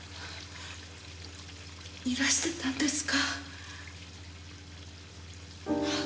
いらしてたんですか？